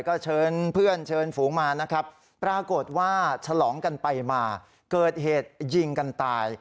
ก็เชิญเพื่อนเชิญฝูงมานะครับปรากฏว่าฉลองกันไปมาเกิดเหตุยิงกันตาย